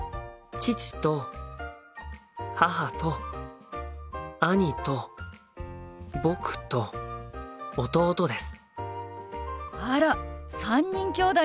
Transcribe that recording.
父と母と兄と僕と弟です。